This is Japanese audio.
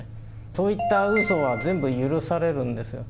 そういったうそは全部許されるんですよ。